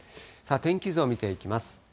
天気図を見ていきます。